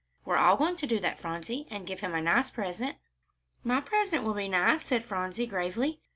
We're all going to do that, Phronsie, and give him a nice Christmas present." "My present will be nice," said Phronsie, gravely.